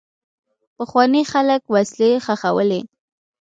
پخواني خلک وسلې ښخولې.